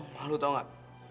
malu tau gak